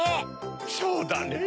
そうだねぇ！